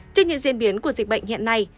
trên những diễn biến của dịch bệnh hiện nay